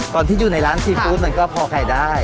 ตอนที่อยู่ในร้านซีฟู้ดมันก็พอขายได้